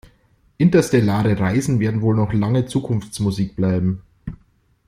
Interstellare Reisen werden wohl noch lange Zukunftsmusik bleiben.